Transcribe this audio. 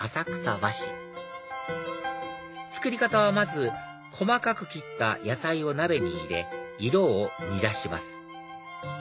和紙作り方はまず細かく切った野菜を鍋に入れ色を煮出します